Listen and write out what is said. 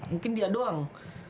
mungkin dia doang